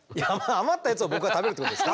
余ったやつを僕が食べるってことですか？